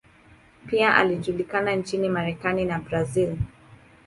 Pia alijulikana nchini Marekani na Brazil.